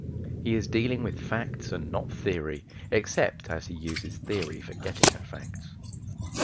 He is dealing with facts and not theory, except as he uses theory for getting at facts.